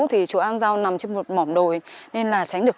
thì sẽ có một lúc